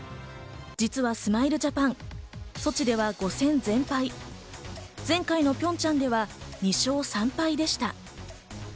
実はスマイルジャパン、ソチでは５戦全敗、前回のピョンチャンでは２勝３敗でした。